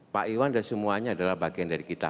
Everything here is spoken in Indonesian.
pak iwan dan semuanya adalah bagian dari kita